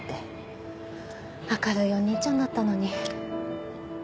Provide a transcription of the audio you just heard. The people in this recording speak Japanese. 明るいお兄ちゃんだったのに。